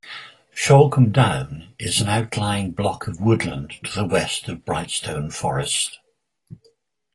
Shalcombe Down is an outlying block of woodland to the west of Brighstone Forest.